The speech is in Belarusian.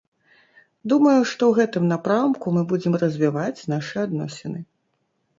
Думаю, што ў гэтым напрамку мы будзем развіваць нашы адносіны.